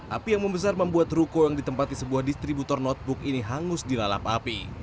api yang membesar membuat ruko yang ditempati sebuah distributor notebook ini hangus dilalap api